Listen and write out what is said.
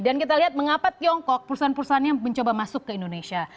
dan kita lihat mengapa tiongkok perusahaan perusahaannya mencoba masuk ke indonesia